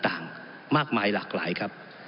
ถ้ามันชอบด้วยกฎหมายไม่มีใครว่าครับ